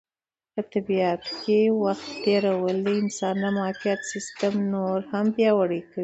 په طبیعت کې وخت تېرول د انسان د معافیت سیسټم نور هم پیاوړی کوي.